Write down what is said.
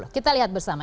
kita lihat bersama